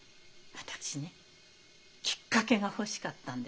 私ねきっかけが欲しかったんです。